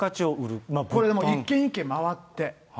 一軒一軒回って。